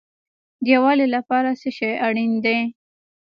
د یووالي لپاره څه شی اړین دی؟